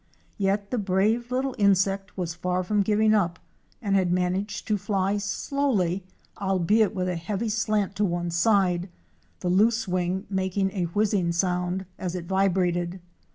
Yet the brave little insect was far from giving up and managed to fly slowly, albeit with a heavy slant to one side, the loose wing making a whizzing sound as it vibrated.